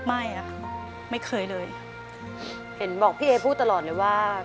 เปลี่ยนเพลงเพลงเก่งของคุณและข้ามผิดได้๑คำ